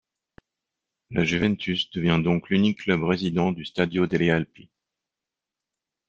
La Juventus devient donc l'unique club résident du Stadio delle Alpi.